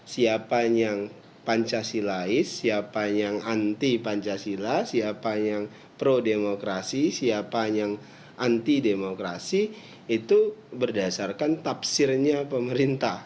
siapa yang pancasilais siapa yang anti pancasila siapa yang pro demokrasi siapa yang anti demokrasi itu berdasarkan tafsirnya pemerintah